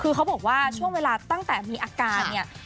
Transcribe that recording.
คือเขาบอกว่าช่วงเวลาตั้งแต่มีอาการเนี่ย